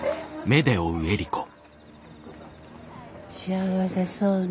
幸せそうね。